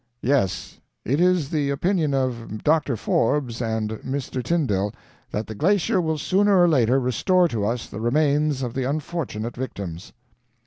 "Yes, it is the opinion of Dr. Forbes and Mr. Tyndall, that the glacier will sooner or later restore to us the remains of the unfortunate victims."